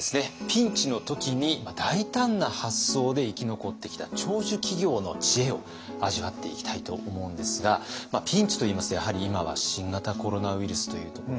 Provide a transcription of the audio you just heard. ピンチの時に大胆な発想で生き残ってきた長寿企業の知恵を味わっていきたいと思うんですがピンチといいますとやはり今は新型コロナウイルスというところでしょうね。